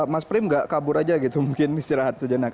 mas prim nggak kabur aja gitu mungkin istirahat sejenak